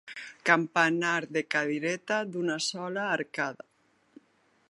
Campanar de cadireta d'una sola arcada.